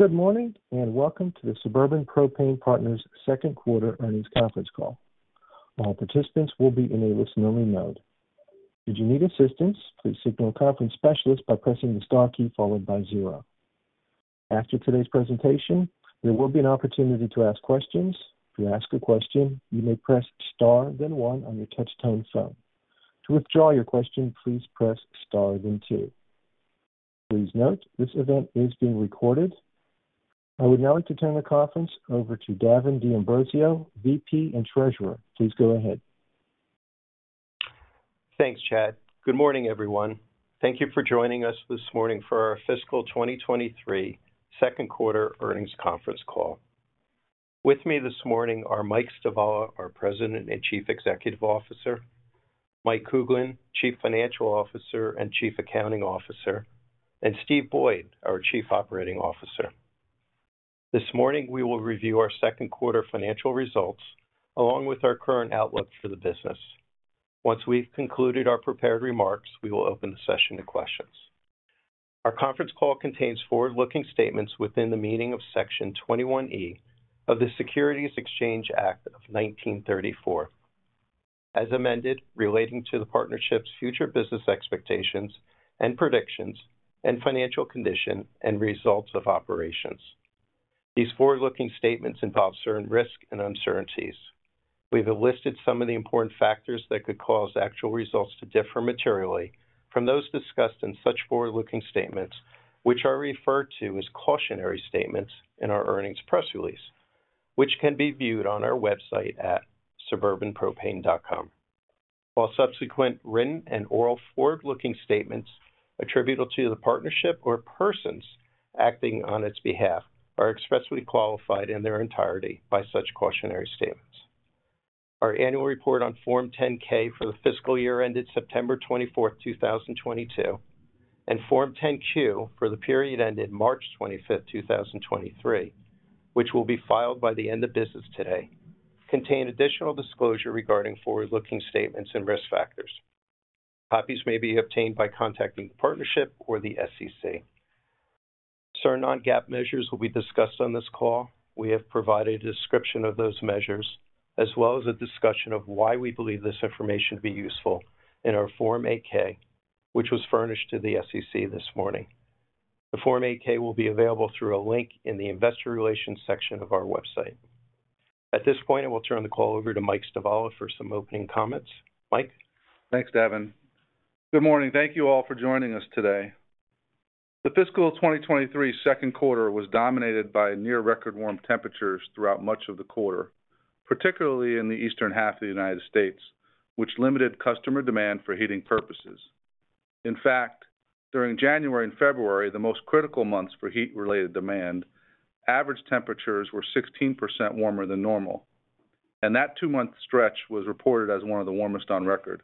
Good morning, welcome to the Suburban Propane Partners second quarter earnings conference call. All participants will be in a listen-only mode. If you need assistance, please signal a conference specialist by pressing the star key followed by 0. After today's presentation, there will be an opportunity to ask questions. To ask a question, you may press Star then 1 on your touch tone phone. To withdraw your question, please press Star then 2. Please note, this event is being recorded. I would now like to turn the conference over to Davin D'Ambrosio, VP and Treasurer. Please go ahead. Thanks, Chad. Good morning, everyone. Thank you for joining us this morning for our fiscal 2023 second quarter earnings conference call. With me this morning are Mike Stivala, our President and Chief Executive Officer, Mike Kuglin, Chief Financial Officer and Chief Accounting Officer, and Steve Boyd, our Chief Operating Officer. This morning, we will review our second quarter financial results, along with our current outlook for the business. Once we've concluded our prepared remarks, we will open the session to questions. Our conference call contains forward-looking statements within the meaning of Section 21E of the Securities Exchange Act of 1934, as amended relating to the partnership's future business expectations and predictions and financial condition and results of operations. These forward-looking statements involve certain risks and uncertainties. We have listed some of the important factors that could cause actual results to differ materially from those discussed in such forward-looking statements, which are referred to as cautionary statements in our earnings press release, which can be viewed on our website at suburbanpropane.com. Subsequent written and oral forward-looking statements attributable to the partnership or persons acting on its behalf are expressly qualified in their entirety by such cautionary statements. Our annual report on Form 10-K for the fiscal year ended September 24, 2022, and Form 10-Q for the period ended March 25, 2023, which will be filed by the end of business today, contain additional disclosure regarding forward-looking statements and risk factors. Copies may be obtained by contacting the partnership or the SEC. Certain non-GAAP measures will be discussed on this call. We have provided a description of those measures, as well as a discussion of why we believe this information to be useful in our Form 8-K, which was furnished to the SEC this morning. The Form 8-K will be available through a link in the investor relations section of our website. At this point, I will turn the call over to Mike Stivala for some opening comments. Mike. Thanks, Davin. Good morning. Thank you all for joining us today. The fiscal 2023 second quarter was dominated by near record warm temperatures throughout much of the quarter, particularly in the eastern half of the United States, which limited customer demand for heating purposes. In fact, during January and February, the most critical months for heat-related demand, average temperatures were 16% warmer than normal, and that two-month stretch was reported as one of the warmest on record.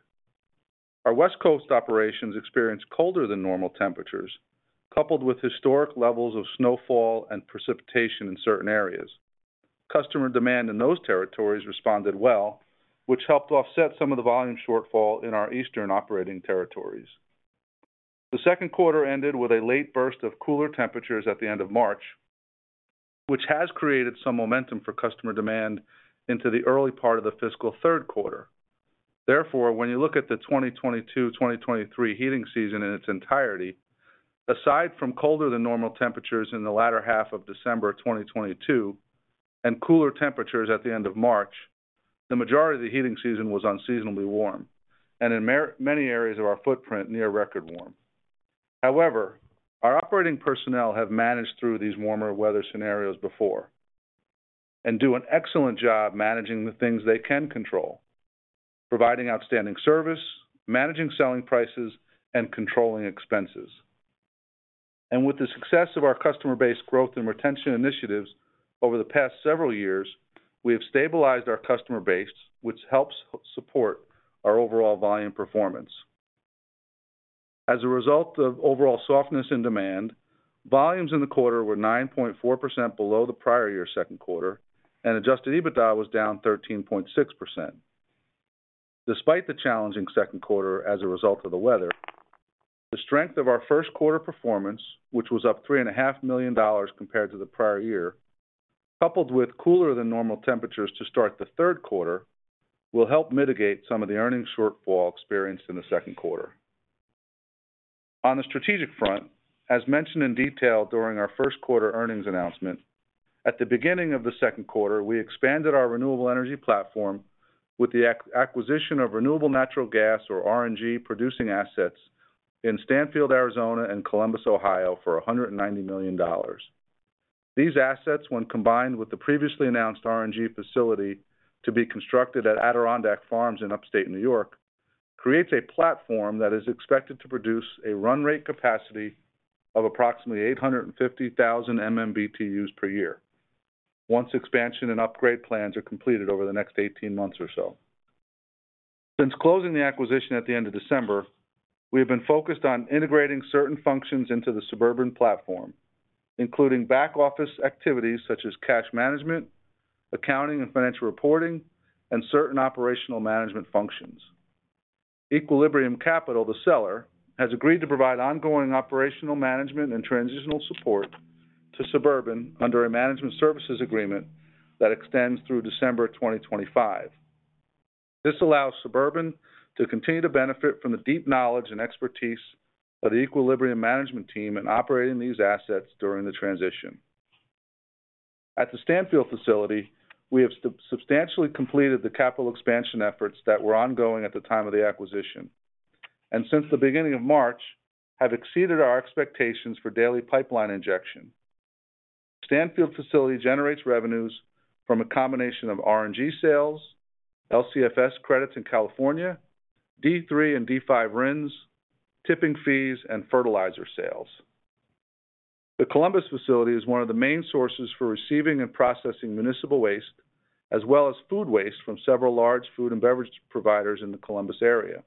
Our West Coast operations experienced colder than normal temperatures, coupled with historic levels of snowfall and precipitation in certain areas. Customer demand in those territories responded well, which helped offset some of the volume shortfall in our eastern operating territories. The second quarter ended with a late burst of cooler temperatures at the end of March, which has created some momentum for customer demand into the early part of the fiscal third quarter. When you look at the 2022/2023 heating season in its entirety, aside from colder than normal temperatures in the latter half of December 2022 and cooler temperatures at the end of March, the majority of the heating season was unseasonably warm, and in many areas of our footprint, near record warm. Our operating personnel have managed through these warmer weather scenarios before and do an excellent job managing the things they can control, providing outstanding service, managing selling prices, and controlling expenses. With the success of our customer base growth and retention initiatives over the past several years, we have stabilized our customer base, which helps support our overall volume performance. As a result of overall softness in demand, volumes in the quarter were 9.4% below the prior year second quarter, and adjusted EBITDA was down 13.6%. Despite the challenging second quarter as a result of the weather, the strength of our first quarter performance, which was up three and a half million dollars compared to the prior year, coupled with cooler than normal temperatures to start the third quarter, will help mitigate some of the earnings shortfall experienced in the second quarter. On the strategic front, as mentioned in detail during our first quarter earnings announcement, at the beginning of the second quarter, we expanded our renewable energy platform with the acquisition of renewable natural gas or RNG producing assets in Stanfield, Arizona, and Columbus, Ohio, for $190 million. These assets, when combined with the previously announced RNG facility to be constructed at Adirondack Farms in upstate New York, creates a platform that is expected to produce a run rate capacity of approximately 850,000 MMBtus per year once expansion and upgrade plans are completed over the next 18 months or so. Since closing the acquisition at the end of December, we have been focused on integrating certain functions into the Suburban platform, including back-office activities such as cash management, accounting and financial reporting, and certain operational management functions. Equilibrium Capital, the seller, has agreed to provide ongoing operational management and transitional support to Suburban under a management services agreement that extends through December 2025. This allows Suburban to continue to benefit from the deep knowledge and expertise of the Equilibrium management team in operating these assets during the transition. At the Stanfield facility, we have substantially completed the capital expansion efforts that were ongoing at the time of the acquisition. Since the beginning of March, have exceeded our expectations for daily pipeline injection. Stanfield facility generates revenues from a combination of RNG sales, LCFS credits in California, D3 and D5 RINs, tipping fees, and fertilizer sales. The Columbus facility is one of the main sources for receiving and processing municipal waste, as well as food waste from several large food and beverage providers in the Columbus area.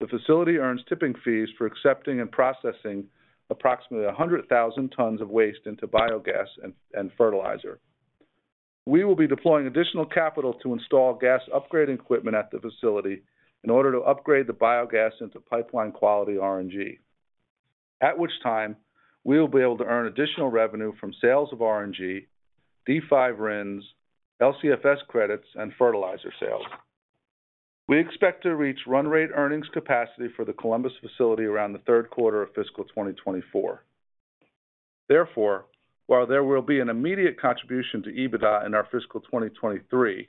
The facility earns tipping fees for accepting and processing approximately 100,000 tons of waste into biogas and fertilizer. We will be deploying additional capital to install gas upgrade equipment at the facility in order to upgrade the biogas into pipeline quality RNG. At which time, we will be able to earn additional revenue from sales of RNG, D5 RINs, LCFS credits, and fertilizer sales. We expect to reach run rate earnings capacity for the Columbus facility around the third quarter of fiscal 2024. Therefore, while there will be an immediate contribution to EBITDA in our fiscal 2023,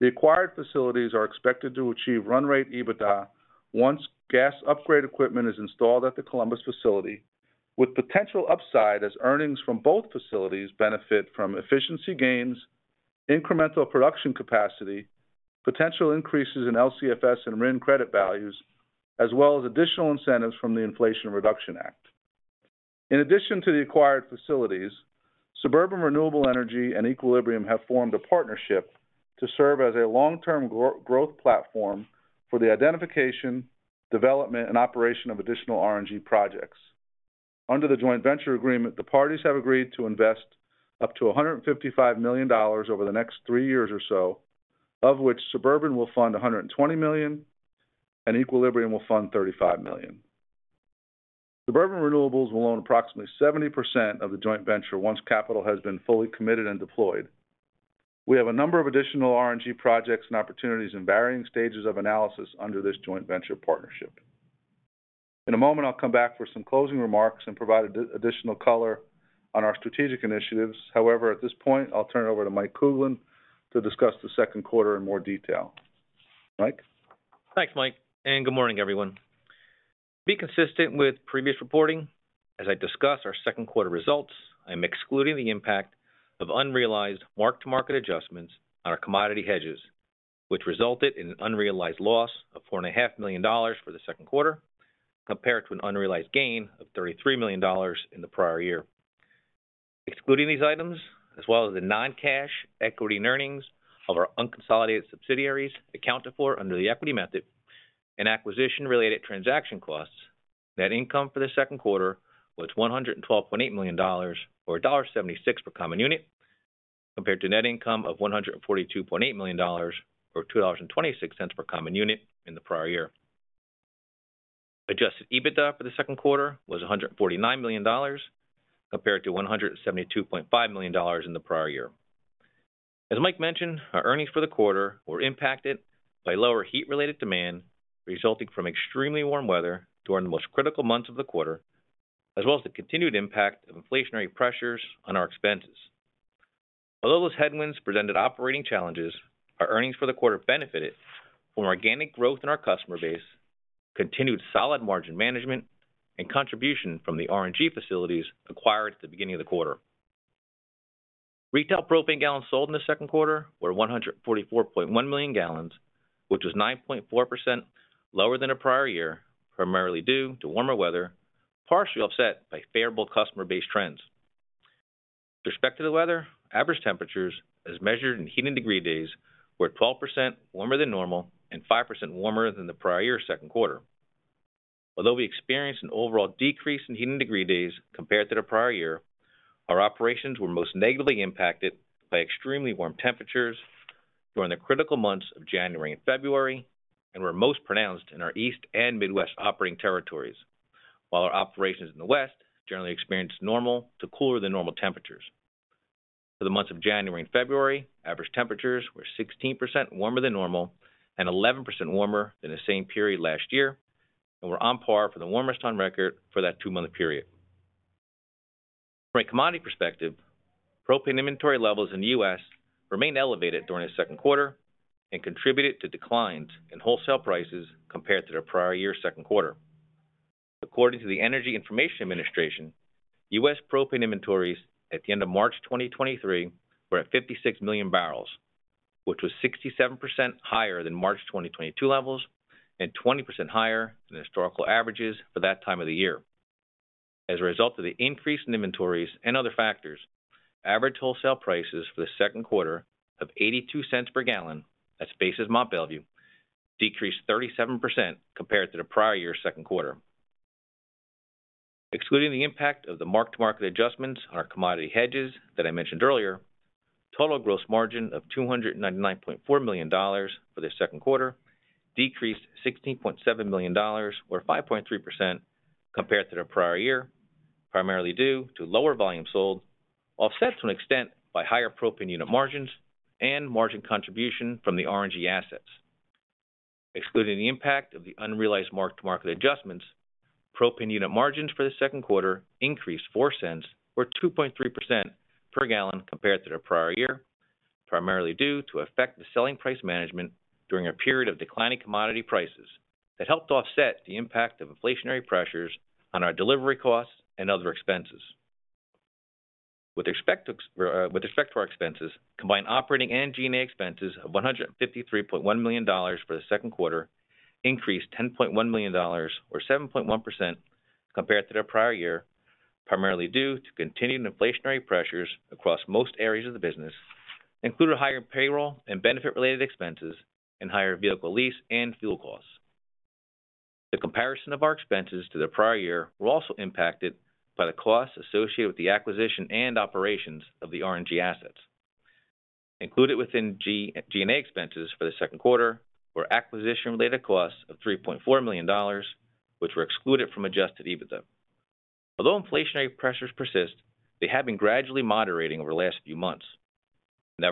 the acquired facilities are expected to achieve run rate EBITDA once gas upgrade equipment is installed at the Columbus facility, with potential upside as earnings from both facilities benefit from efficiency gains, incremental production capacity, potential increases in LCFS and RIN credit values, as well as additional incentives from the Inflation Reduction Act. In addition to the acquired facilities, Suburban Renewable Energy and Equilibrium have formed a partnership to serve as a long-term growth platform for the identification, development, and operation of additional RNG projects. Under the joint venture agreement, the parties have agreed to invest up to $155 million over the next three years or so, of which Suburban will fund $120 million and Equilibrium will fund $35 million. Suburban Renewables will own approximately 70% of the joint venture once capital has been fully committed and deployed. We have a number of additional RNG projects and opportunities in varying stages of analysis under this joint venture partnership. In a moment, I'll come back for some closing remarks and provide additional color on our strategic initiatives. At this point, I'll turn it over to Mike Kuglin to discuss the second quarter in more detail. Mike? Thanks, Mike. Good morning, everyone. To be consistent with previous reporting, as I discuss our second quarter results, I'm excluding the impact of unrealized mark-to-market adjustments on our commodity hedges, which resulted in an unrealized loss of four and a half million dollars for the second quarter, compared to an unrealized gain of $33 million in the prior year. Excluding these items, as well as the non-cash equity earnings of our unconsolidated subsidiaries accounted for under the equity method and acquisition-related transaction costs, net income for the second quarter was $112.8 million or $1.76 per common unit, compared to net income of $142.8 million or $2.26 per common unit in the prior year. Adjusted EBITDA for the second quarter was $149 million, compared to $172.5 million in the prior year. As Mike mentioned, our earnings for the quarter were impacted by lower heat-related demand resulting from extremely warm weather during the most critical months of the quarter, as well as the continued impact of inflationary pressures on our expenses. Those headwinds presented operating challenges, our earnings for the quarter benefited from organic growth in our customer base, continued solid margin management, and contribution from the RNG facilities acquired at the beginning of the quarter. Retail propane gallons sold in the second quarter were 144.1 million gallons, which was 9.4% lower than the prior year, primarily due to warmer weather, partially offset by favorable customer-based trends. With respect to the weather, average temperatures as measured in heating degree days were 12% warmer than normal and 5% warmer than the prior year second quarter. Although we experienced an overall decrease in heating degree days compared to the prior year, our operations were most negatively impacted by extremely warm temperatures during the critical months of January and February and were most pronounced in our East and Midwest operating territories, while our operations in the West generally experienced normal to cooler than normal temperatures. For the months of January and February, average temperatures were 16% warmer than normal and 11% warmer than the same period last year and were on par for the warmest on record for that two-month period. From a commodity perspective, propane inventory levels in the U.S. remained elevated during the second quarter and contributed to declines in wholesale prices compared to the prior year second quarter. According to the U.S. Energy Information Administration, U.S. propane inventories at the end of March 2023 were at 56 million barrels, which was 67% higher than March 2022 levels and 20% higher than historical averages for that time of the year. As a result of the increase in inventories and other factors, average wholesale prices for the second quarter of $0.82 per gallon at basis Mont Belvieu decreased 37% compared to the prior year second quarter. Excluding the impact of the mark-to-market adjustments on our commodity hedges that I mentioned earlier, total gross margin of $299.4 million for the second quarter decreased $16.7 million or 5.3% compared to the prior year, primarily due to lower volume sold, offset to an extent by higher propane unit margins and margin contribution from the RNG assets. Excluding the impact of the unrealized mark-to-market adjustments, propane unit margins for the second quarter increased $0.04 or 2.3% per gallon compared to the prior year, primarily due to effective selling price management during a period of declining commodity prices that helped offset the impact of inflationary pressures on our delivery costs and other expenses. With respect to our expenses, combined operating and G&A expenses of $153.1 million for the second quarter increased $10.1 million or 7.1% compared to the prior year, primarily due to continuing inflationary pressures across most areas of the business, including higher payroll and benefit related expenses and higher vehicle lease and fuel costs. The comparison of our expenses to the prior year were also impacted by the costs associated with the acquisition and operations of the RNG assets. Included within G&A expenses for the second quarter were acquisition-related costs of $3.4 million, which were excluded from adjusted EBITDA. Inflationary pressures persist, they have been gradually moderating over the last few months. We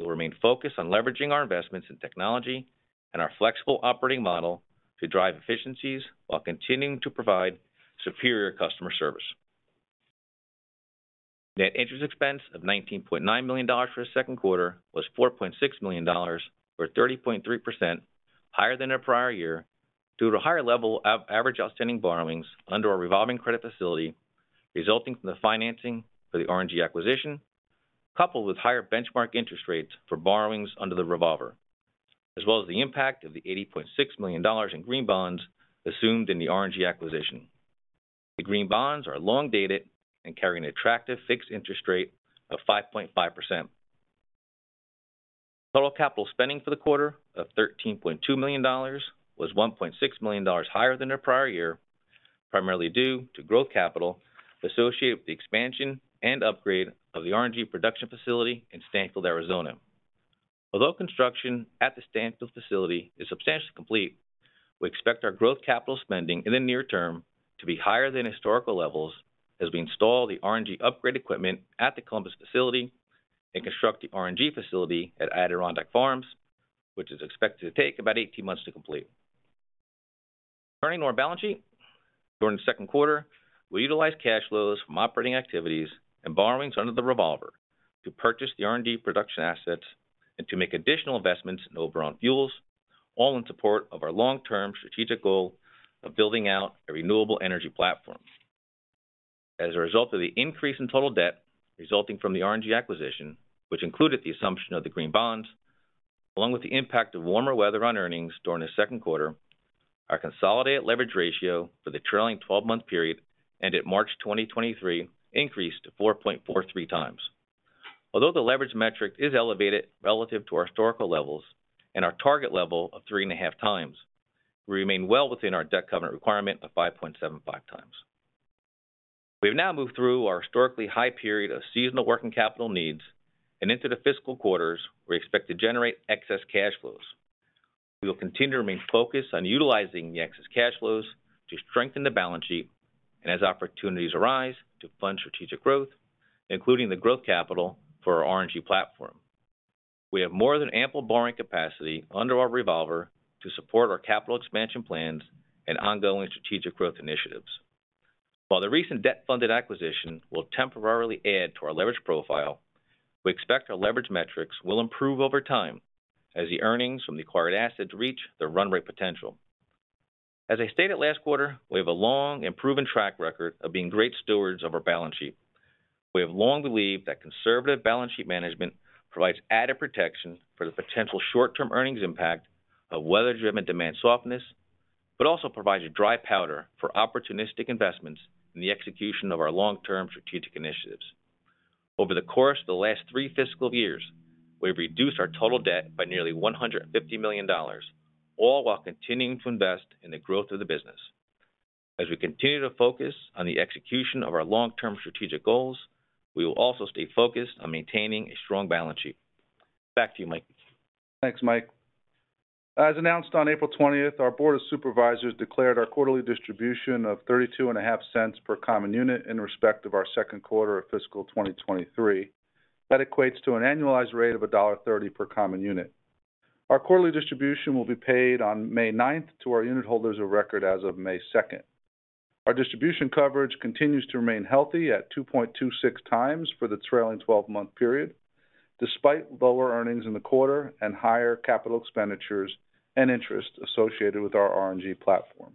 will remain focused on leveraging our investments in technology and our flexible operating model to drive efficiencies while continuing to provide superior customer service. Net interest expense of $19.9 million for the second quarter was $4.6 million or 30.3% higher than the prior year due to the higher level of average outstanding borrowings under our revolving credit facility resulting from the financing for the RNG acquisition, coupled with higher benchmark interest rates for borrowings under the revolver, as well as the impact of the $80.6 million in green bonds assumed in the RNG acquisition. The green bonds are long-dated and carry an attractive fixed interest rate of 5.5%. Total capital spending for the quarter of $13.2 million was $1.6 million higher than the prior year, primarily due to growth capital associated with the expansion and upgrade of the RNG production facility in Stanfield, Arizona. Although construction at the Stanfield facility is substantially complete, we expect our growth capital spending in the near term to be higher than historical levels as we install the RNG upgrade equipment at the Columbus facility and construct the RNG facility at Adirondack Farms, which is expected to take about 18 months to complete. Turning to our balance sheet. During the second quarter, we utilized cash flows from operating activities and borrowings under the revolver to purchase the RNG production assets and to make additional investments in Oberon Fuels, all in support of our long-term strategic goal of building out a renewable energy platform. As a result of the increase in total debt resulting from the RNG acquisition, which included the assumption of the green bonds, along with the impact of warmer weather on earnings during the second quarter, our consolidated leverage ratio for the trailing twelve-month period ended March 2023 increased to 4.43 times. Although the leverage metric is elevated relative to our historical levels and our target level of 3.5 times, we remain well within our debt covenant requirement of 5.75 times. We have now moved through our historically high period of seasonal working capital needs and into the fiscal quarters we expect to generate excess cash flows. We will continue to remain focused on utilizing the excess cash flows to strengthen the balance sheet and as opportunities arise to fund strategic growth, including the growth capital for our RNG platform. We have more than ample borrowing capacity under our revolver to support our capital expansion plans and ongoing strategic growth initiatives. While the recent debt-funded acquisition will temporarily add to our leverage profile, we expect our leverage metrics will improve over time as the earnings from the acquired assets reach their run rate potential. As I stated last quarter, we have a long and proven track record of being great stewards of our balance sheet. Also provides a dry powder for opportunistic investments in the execution of our long-term strategic initiatives. Over the course of the last three fiscal years, we've reduced our total debt by nearly $150 million, all while continuing to invest in the growth of the business. As we continue to focus on the execution of our long-term strategic goals, we will also stay focused on maintaining a strong balance sheet. Back to you, Mike. Thanks, Mike. As announced on April 20th, our Board of Supervisors declared our quarterly distribution of $0.325 per common unit in respect of our second quarter of fiscal 2023. That equates to an annualized rate of $1.30 per common unit. Our quarterly distribution will be paid on May 9th to our unit holders of record as of May 2nd. Our distribution coverage continues to remain healthy at 2.26 times for the trailing 12-month period, despite lower earnings in the quarter and higher capital expenditures and interest associated with our RNG platform.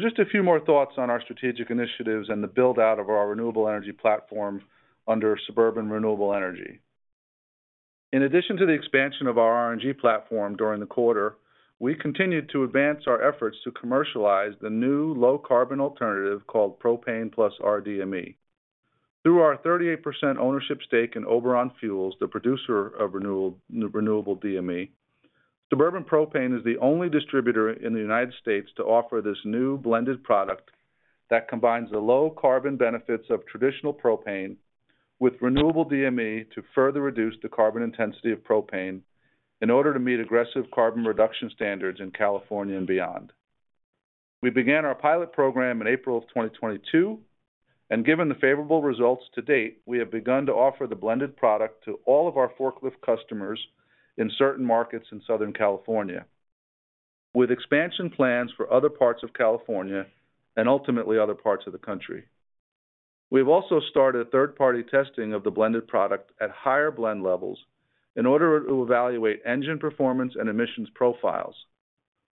Just a few more thoughts on our strategic initiatives and the build-out of our renewable energy platform under Suburban Renewable Energy. In addition to the expansion of our RNG platform during the quarter, we continued to advance our efforts to commercialize the new low carbon alternative called propane+rDME. Through our 38% ownership stake in Oberon Fuels, the producer of renewable DME, Suburban Propane is the only distributor in the United States to offer this new blended product that combines the low carbon benefits of traditional propane with renewable DME to further reduce the carbon intensity of propane in order to meet aggressive carbon reduction standards in California and beyond. We began our pilot program in April of 2022, and given the favorable results to date, we have begun to offer the blended product to all of our forklift customers in certain markets in Southern California, with expansion plans for other parts of California and ultimately other parts of the country. We have also started third-party testing of the blended product at higher blend levels in order to evaluate engine performance and emissions profiles.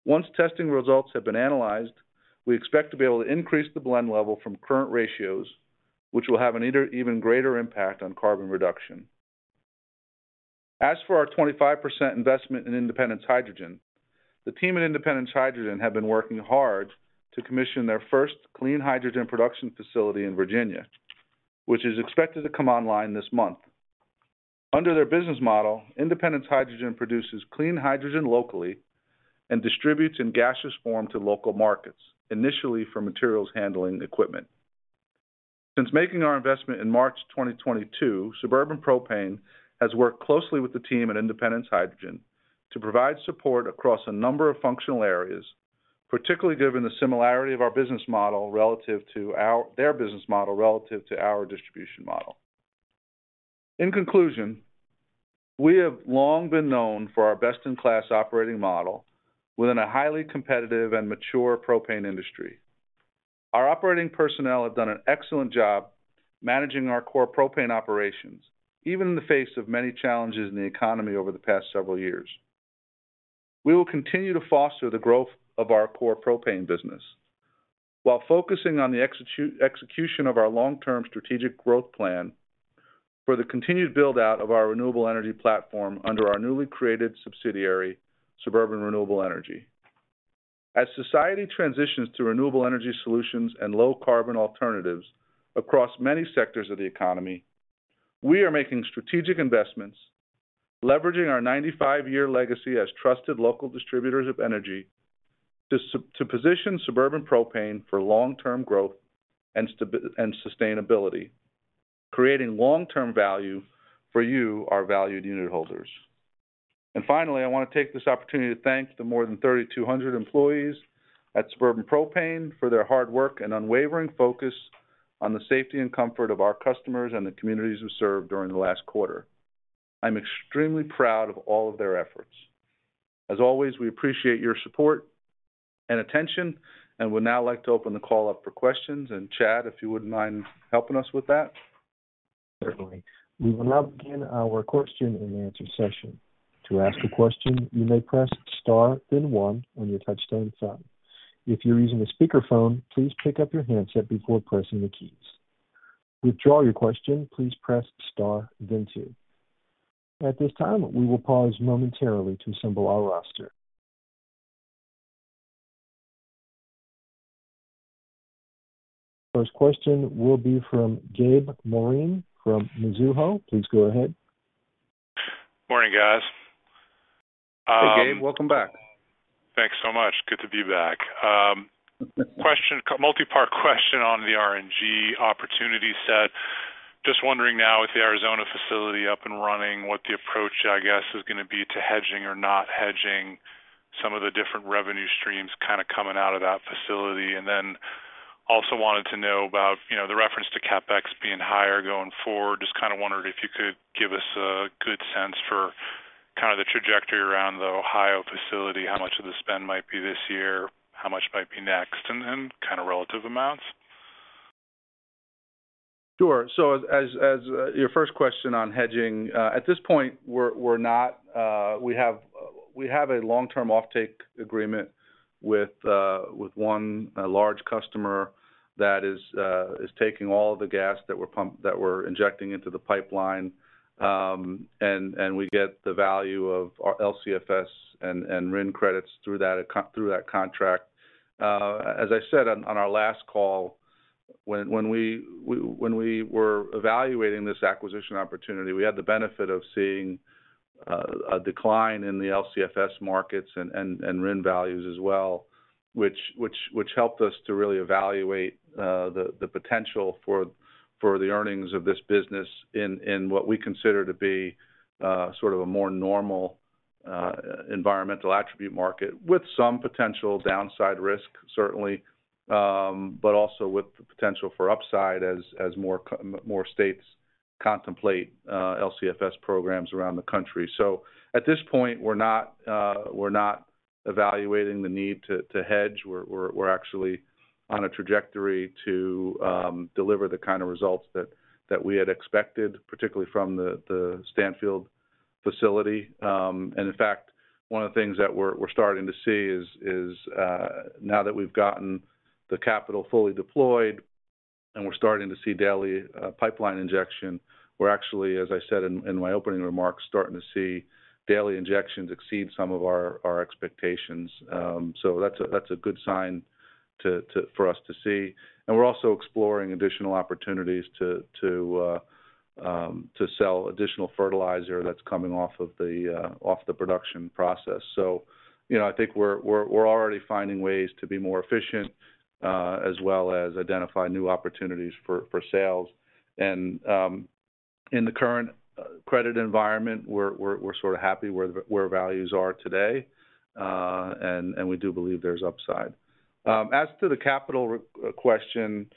Once testing results have been analyzed, we expect to be able to increase the blend level from current ratios, which will have an even greater impact on carbon reduction. As for our 25% investment in Independence Hydrogen, the team at Independence Hydrogen have been working hard to commission their first clean hydrogen production facility in Virginia, which is expected to come online this month. Under their business model, Independence Hydrogen produces clean hydrogen locally and distributes in gaseous form to local markets, initially for materials handling equipment. Since making our investment in March 2022, Suburban Propane has worked closely with the team at Independence Hydrogen to provide support across a number of functional areas, particularly given the similarity of their business model relative to our distribution model. In conclusion, we have long been known for our best in class operating model within a highly competitive and mature propane industry. Our operating personnel have done an excellent job managing our core propane operations, even in the face of many challenges in the economy over the past several years. We will continue to foster the growth of our core propane business while focusing on the execution of our long-term strategic growth plan for the continued build out of our renewable energy platform under our newly created subsidiary, Suburban Renewable Energy. As society transitions to renewable energy solutions and low carbon alternatives across many sectors of the economy, we are making strategic investments, leveraging our 95-year legacy as trusted local distributors of energy to position Suburban Propane for long-term growth and sustainability, creating long-term value for you, our valued unitholders. Finally, I want to take this opportunity to thank the more than 3,200 employees at Suburban Propane for their hard work and unwavering focus on the safety and comfort of our customers and the communities we serve during the last quarter. I'm extremely proud of all of their efforts. As always, we appreciate your support and attention and would now like to open the call up for questions. Chad, if you wouldn't mind helping us with that. Certainly. We will now begin our question and answer session. To ask a question, you may press star then one on your touchtone phone. If you're using a speakerphone, please pick up your handset before pressing the keys. To withdraw your question, please press star then two. At this time, we will pause momentarily to assemble our roster. First question will be from Gabriel Moreen from Mizuho. Please go ahead. Morning, guys. Hey, Gabe. Welcome back. Thanks so much. Good to be back. Question, multi-part question on the RNG opportunity set. Just wondering now with the Arizona facility up and running, what the approach, I guess, is gonna be to hedging or not hedging some of the different revenue streams kind of coming out of that facility. Also wanted to know about the reference to CapEx being higher going forward. Just kind of wondering if you could give us a good sense for kind of the trajectory around the Ohio facility, how much of the spend might be this year, how much might be next, and kind of relative amounts. Sure. As your first question on hedging, at this point we're not, we have a long-term offtake agreement with one, large customer that is taking all the gas that we're injecting into the pipeline. We get the value of LCFS and RIN credits through that contract. As I said on our last call, when we were evaluating this acquisition opportunity, we had the benefit of seeing a decline in the LCFS markets and RIN values as well, which helped us to really evaluate the potential for the earnings of this business in what we consider to be sort of a more normal environmental attribute market with some potential downside risk certainly, but also with the potential for upside as more states contemplate LCFS programs around the country. At this point, we're not evaluating the need to hedge. We're actually on a trajectory to deliver the kind of results that we had expected, particularly from the Stanfield facility. In fact, one of the things that we're starting to see is now that we've gotten the capital fully deployed and we're starting to see daily pipeline injection, we're actually, as I said in my opening remarks, starting to see daily injections exceed some of our expectations. That's a good sign for us to see. We're also exploring additional opportunities to sell additional fertilizer that's coming off of the production process., I think we're already finding ways to be more efficient, as well as identify new opportunities for sales. In the current credit environment, we're sort of happy where values are today, and we do believe there's upside. As to the capital question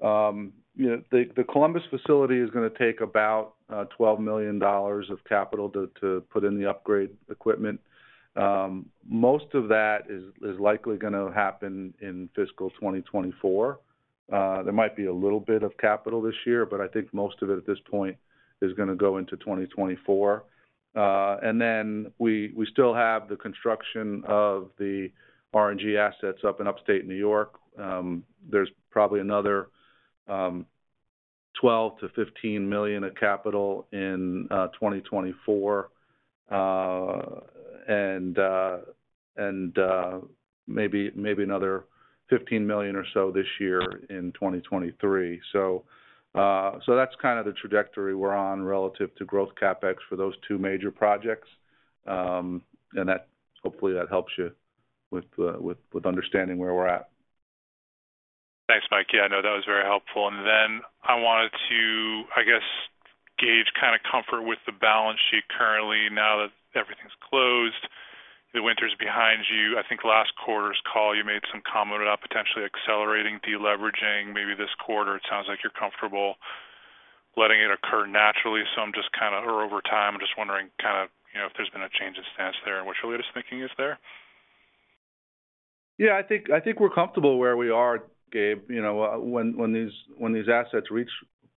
the Columbus facility is gonna take about $12 million of capital to put in the upgrade equipment. Most of that is likely gonna happen in fiscal 2024. There might be a little bit of capital this year, but I think most of it at this point is gonna go into 2024. We still have the construction of the RNG assets up in Upstate New York. There's probably another $12 million-$15 million of capital in 2024, and maybe another $15 million or so this year in 2023. That's kind of the trajectory we're on relative to growth CapEx for those two major projects. Hopefully, that helps you with understanding where we're at. Thanks, Mike. Yeah, no, that was very helpful. I wanted to, I guess, gauge kinda comfort with the balance sheet currently now that everything's closed, the winter's behind you. I think last quarter's call, you made some comment about potentially accelerating, deleveraging maybe this quarter. It sounds like you're comfortable letting it occur naturally. I'm just kinda, or over time. I'm just wondering, kinda if there's been a change in stance there, and what's your latest thinking is there? Yeah, I think we're comfortable where we are, Gabe., when these assets reach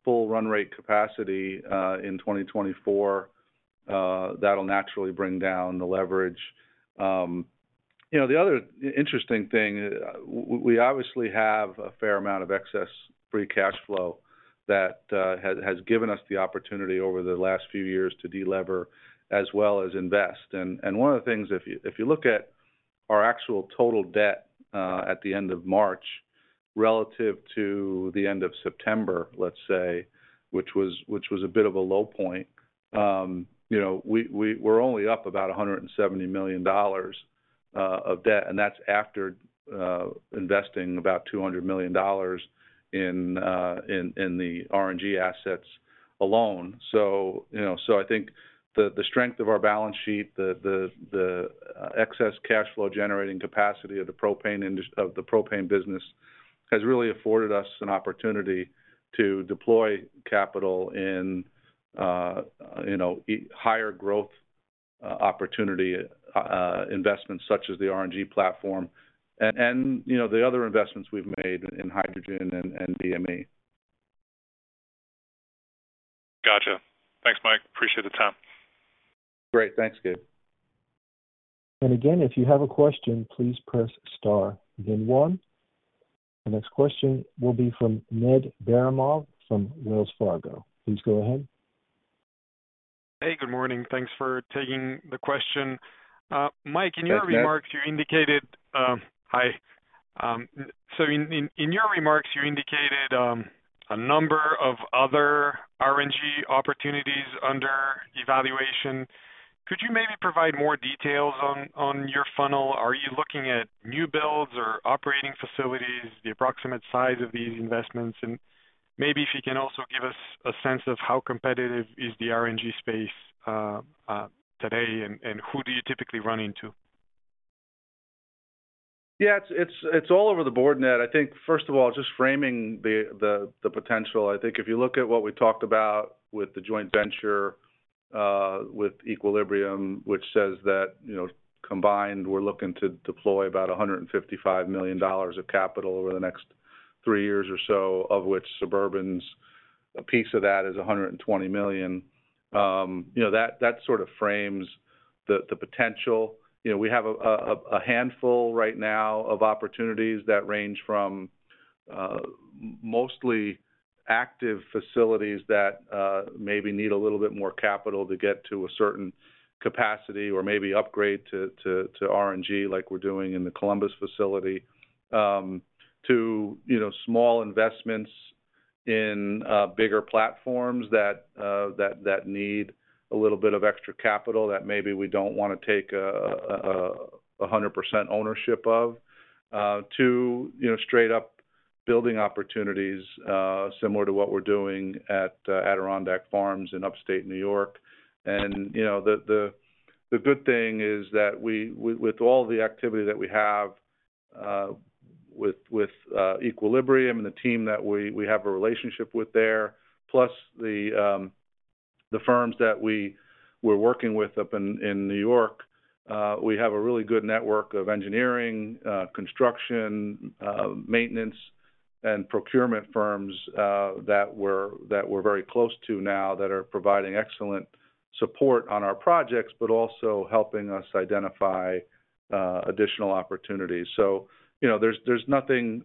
full run rate capacity in 2024, that'll naturally bring down the leverage., the other interesting thing, we obviously have a fair amount of excess free cash flow that has given us the opportunity over the last few years to delever as well as invest. One of the things, if you, if you look at our actual total debt at the end of March relative to the end of September, let's say, which was a bit of a low point we're only up about $170 million of debt, and that's after investing about $200 million in the RNG assets alone., I think the strength of our balance sheet, the excess cash flow generating capacity of the propane business has really afforded us an opportunity to deploy capital in higher growth opportunity investments such as the RNG platform and the other investments we've made in hydrogen and BMA. Gotcha. Thanks, Mike. Appreciate the time. Great. Thanks, Gabe. Again, if you have a question, please press star then one. The next question will be from Ned Barmoha from Wells Fargo. Please go ahead. Hey, good morning. Thanks for taking the question. Mike- Thanks, Ned. In your remarks, you indicated a number of other RNG opportunities under evaluation. Could you maybe provide more details on your funnel? Are you looking at new builds or operating facilities, the approximate size of these investments? Maybe if you can also give us a sense of how competitive is the RNG space today and who do you typically run into? Yeah, it's all over the board, Ned. I think first of all, just framing the potential. I think if you look at what we talked about with the joint venture with Equilibrium, which says that combined, we're looking to deploy about $155 million of capital over the next three years or so, of which Suburban's piece of that is $120 million that sort of frames the potential., we have a handful right now of opportunities that range from mostly active facilities that maybe need a little bit more capital to get to a certain capacity or maybe upgrade to RNG like we're doing in the Columbus facility, to small investments in bigger platforms that that need a little bit of extra capital that maybe we don't wanna take a 100% ownership of, to straight up building opportunities similar to what we're doing at Adirondack Farms in Upstate New York., the good thing is that with all the activity that we have with Equilibrium and the team that we have a relationship with there, plus the firms that we're working with up in New York, we have a really good network of engineering, construction, maintenance, and procurement firms that we're very close to now that are providing excellent support on our projects, but also helping us identify additional opportunities., there's nothing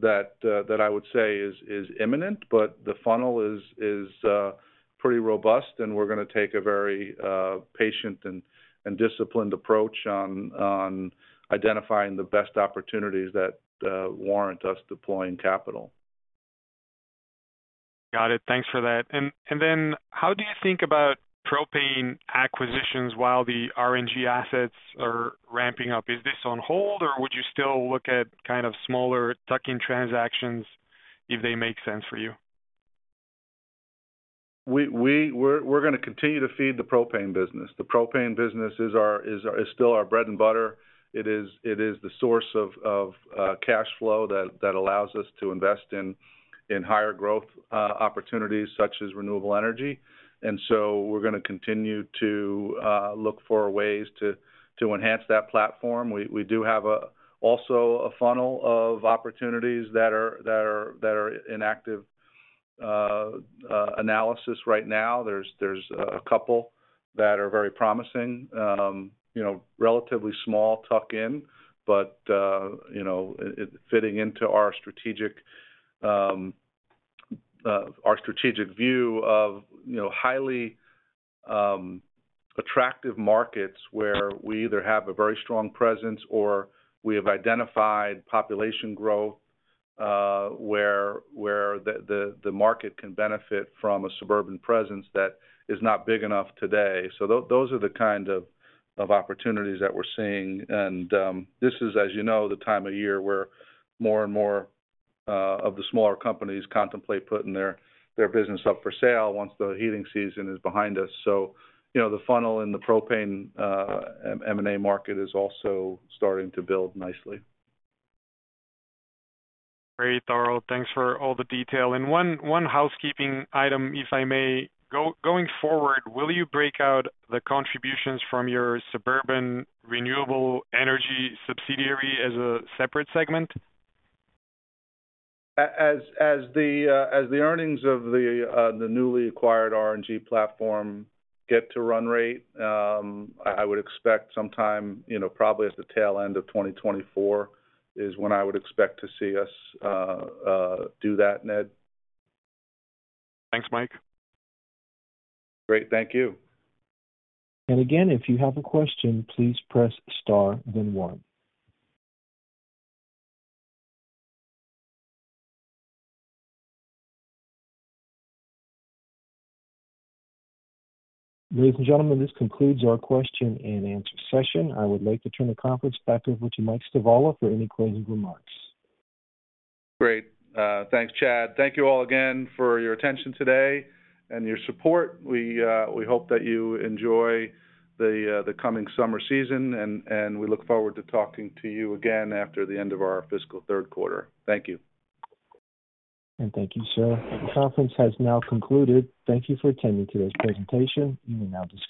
that I would say is imminent, but the funnel is pretty robust, and we're gonna take a very patient and disciplined approach on identifying the best opportunities that warrant us deploying capital. Got it. Thanks for that. Then how do you think about propane acquisitions while the RNG assets are ramping up? Is this on hold, or would you still look at kind of smaller tuck-in transactions if they make sense for you? We're gonna continue to feed the propane business. The propane business is still our bread and butter. It is the source of cash flow that allows us to invest in higher growth opportunities such as renewable energy. We're gonna continue to look for ways to enhance that platform. We do have also a funnel of opportunities that are in active analysis right now. There's a couple that are very promising relatively small tuck-in, but it fitting into our strategic, our strategic view of highly attractive markets where we either have a very strong presence or we have identified population growth, where the market can benefit from a Suburban presence that is not big enough today. Those are the kind of opportunities that we're seeing. This is, as, the time of year where more and more of the smaller companies contemplate putting their business up for sale once the heating season is behind us., the funnel and the propane M&A market is also starting to build nicely. Great, Darl. Thanks for all the detail. One housekeeping item, if I may. Going forward, will you break out the contributions from your Suburban Renewable Energy subsidiary as a separate segment? As the earnings of the newly acquired RNG platform get to run rate, I would expect sometime probably at the tail end of 2024 is when I would expect to see us do that, Ned. Thanks, Mike. Great. Thank you. If you have a question, please press star then 1. Ladies and gentlemen, this concludes our question and answer session. I would like to turn the conference back over to Michael Stivala for any closing remarks. Great. Thanks, Chad. Thank you all again for your attention today and your support. We hope that you enjoy the coming summer season, and we look forward to talking to you again after the end of our fiscal third quarter. Thank you. Thank you, sir. The conference has now concluded. Thank you for attending today's presentation. You may now disconnect.